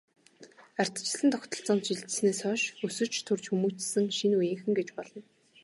Ардчилсан тогтолцоонд шилжсэнээс хойш өсөж, төрж хүмүүжсэн шинэ үеийнхэн гэж болно.